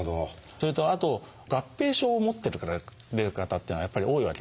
それとあと合併症を持っておられる方っていうのはやっぱり多いわけですね。